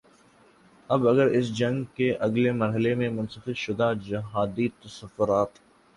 اب اگر اس جنگ کے اگلے مرحلے میں مسخ شدہ جہادی تصورات